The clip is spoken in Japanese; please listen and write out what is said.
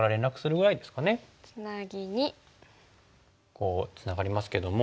こうつながりますけども。